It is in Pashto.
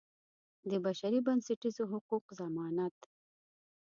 د بشري بنسټیزو حقوقو ضمانت.